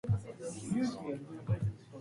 勝手に涙が出てきた。